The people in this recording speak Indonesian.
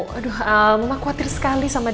belum lagi muncul hari puebyu ya capt